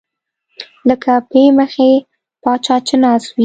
لکه پۍ مخی پاچا چې ناست وي